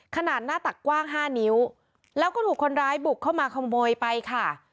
ขนาดหน้าตักกว้าง๕นิ้วแล้วก็ถูกคนร้ายบุกเข้ามาขโมยไปค่ะ